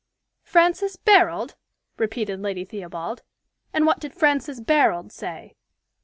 "Francis Barold?" repeated Lady Theobald. "And what did Francis Barold say?"